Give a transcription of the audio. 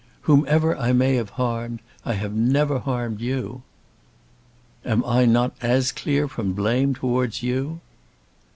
Whomever I may have harmed, I have never harmed you." "Am I not as clear from blame towards you?"